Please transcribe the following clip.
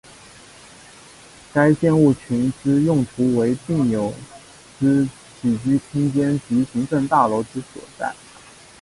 该建物群之用途为病友之起居空间及行政大楼之所在。